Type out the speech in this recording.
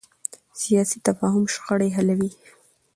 سیاسي تفاهم شخړې حلوي